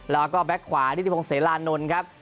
แล้วก็แก๊กขวานิติพงศิลานนท์ครับ